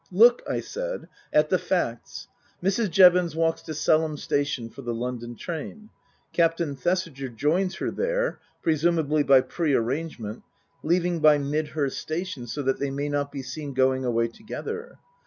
" Look," I said, " at the facts. Mrs. Jevons walks to Selham Station for the London train. Captain Thesiger joins her there, presumably by pre arrangement, leaving by Midhurst station so that they may not be seen going away together.